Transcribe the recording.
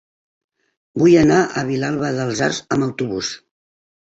Vull anar a Vilalba dels Arcs amb autobús.